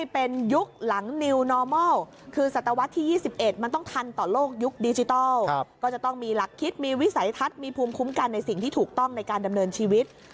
เป็นสิ่งที่ถูกต้องในการดำเนินชีวิต